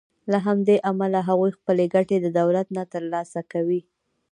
له همدې امله هغوی خپلې ګټې له دولت نه تر لاسه کوي.